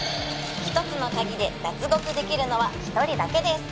「１つの鍵で脱獄できるのは１人だけです」